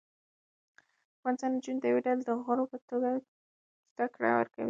ښوونځي نجونې د یوې ډلې د غړو په توګه زده کړې ورکوي.